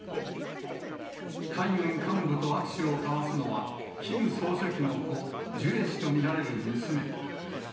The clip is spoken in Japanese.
海軍幹部と握手を交わすのは、キム総書記の子、ジュエ氏と見られる娘。